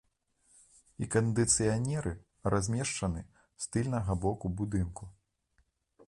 І кандыцыянеры размешчаны з тыльнага боку будынку.